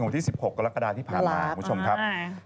ที่๑๖กรกฎาที่ผ่านมาคุณผู้ชมครับ